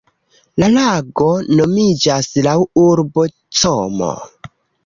La lago nomiĝas laŭ urbo Como.